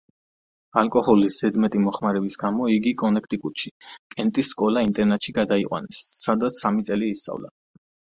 ალკოჰოლის ზედმეტი მოხმარების გამო იგი კონექტიკუტში, კენტის სკოლა-ინტერნატში გადაიყვანეს, სადაც სამი წელი ისწავლა.